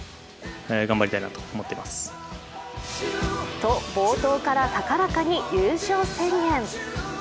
と、冒頭から高らかに優勝宣言。